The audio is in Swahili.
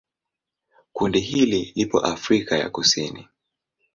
Kundi hili lipo Afrika ya Kusini.